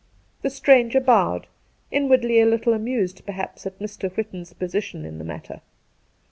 The stranger bowed, inwardly a little amused perhaps at Mr. Whitton's position in the matter.